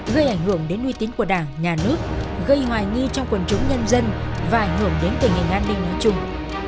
gây ảnh hưởng đến uy tín của đảng nhà nước gây hoài nghi trong quần chúng nhân dân và ảnh hưởng đến tình hình an ninh nói chung